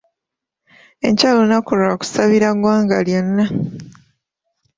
Enkya lunaku lwa kusabira ggwanga lyonna..